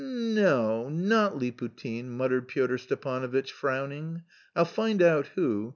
"N no, not Liputin," muttered Pyotr Stepanovitch, frowning; "I'll find out who.